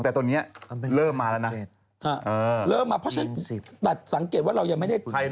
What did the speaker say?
แต่ตอนนี้เริ่มมาแล้วนะ